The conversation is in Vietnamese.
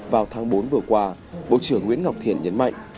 vào tháng bốn vừa qua bộ trưởng nguyễn ngọc thiện nhấn mạnh